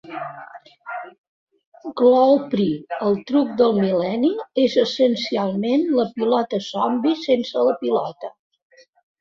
Glorpy, el "truc del mil·lenni", és essencialment la pilota zombi sense la pilota.